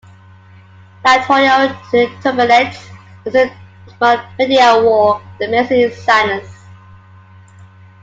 Lateral to the turbinates is the medial wall of the maxillary sinus.